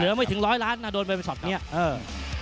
เหลือไม่ถึงร้อยล้านนะโดนเป็นสอดเนี้ยเออ